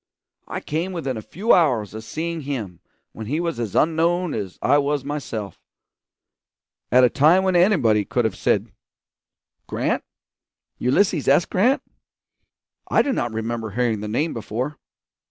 I came within a few hours of seeing him when he was as unknown as I was myself; at a time when anybody could have said, 'Grant? Ulysses S. Grant? I do not remember hearing the name before.'